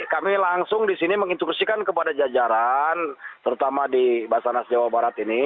lalu kami tidak berdiam di sini kami langsung mengintuksikan kepada jajaran terutama di basarnas jawa barat ini